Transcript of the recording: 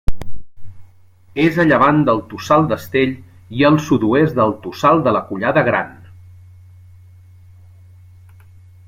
És a llevant del Tossal d'Astell, i al sud-oest del Tossal de la Collada Gran.